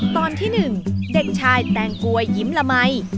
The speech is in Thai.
ตอนที่๑เด็กชายแตงกวยยิ้มละมัย